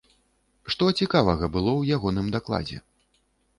Што цікавага было ў ягоным дакладзе?